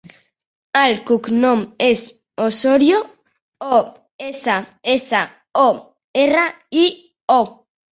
El cognom és Ossorio: o, essa, essa, o, erra, i, o.